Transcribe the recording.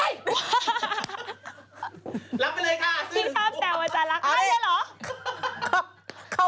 ไม่ชอบแต่ว่าจะรักให้เลยเหรอ